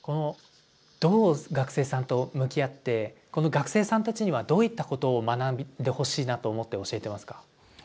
どう学生さんと向き合ってこの学生さんたちにはどういったことを学んでほしいなと思って教えてますか？